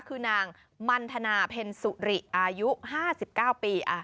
คือนางมันธนาเพ็ญสุริอายุ๕๙ปี